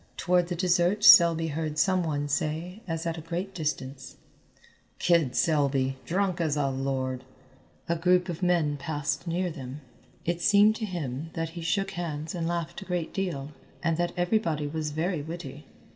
Toward the dessert Selby heard some one say as at a great distance, "Kid Selby, drunk as a lord." A group of men passed near them; it seemed to him that he shook hands and laughed a great deal, and that everybody was very witty.